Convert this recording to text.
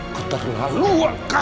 aku terlalu angka